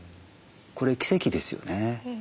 これ奇跡ですよね。